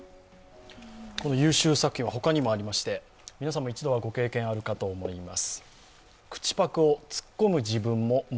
優秀作品は他にもありまして、皆さんも一度はご経験あるかと思います。